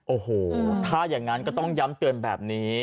โอ้โหถ้าอย่างนั้นก็ต้องย้ำเตือนแบบนี้